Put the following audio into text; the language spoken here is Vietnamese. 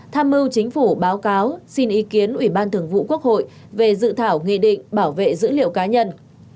tham mưu chính phủ báo cáo xin ý kiến ủy ban thường vụ quốc hội về dự thảo nghị định bảo vệ dữ liệu cá nhân